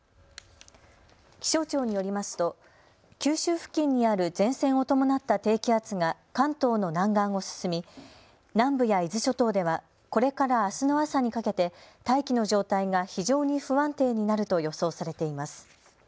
気象庁によりますと九州付近にある前線を伴った低気圧が関東の南岸を進み、南部や伊豆諸島ではこれからあすの朝にかけて大気の状態が非常に不安定になると予想されています。